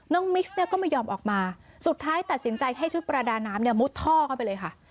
น้องมิสก็ไม่ยอมออกมาสุดท้ายตัดสินใจให้ชุดประดาน้ำมุดท่อเข้าไปเลยค่ะ